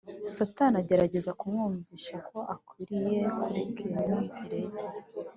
. Satani agerageza kumwumvisha ko akwiriye kureka iyo myumvire ye.